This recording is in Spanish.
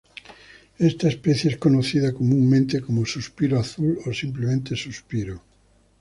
Esta especie es conocida comúnmente como 'Suspiro azul' o simplemente 'Suspiro'.